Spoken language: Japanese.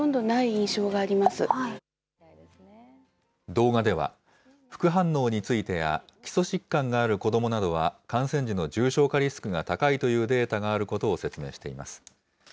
動画では、副反応についてや、基礎疾患がある子どもなどは感染時の重症化リスクが高いというデータがあることを説明しています。